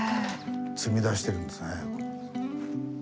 積み出してるんですね。